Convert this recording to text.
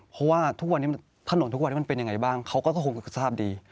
เพราะว่าทุกวันนี้ถนนทุกวันนี้มันเป็นยังไงบ้างเขาก็คงทราบดี